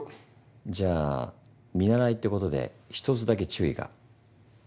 じゃあ見習いってことで１つだけ注意が。